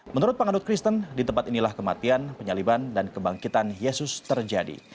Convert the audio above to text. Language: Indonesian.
menurut pengadut kristen di tempat inilah kematian penyaliban dan kebangkitan yesus terjadi